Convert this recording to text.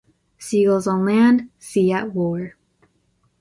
Seagulls on lands, sea at war.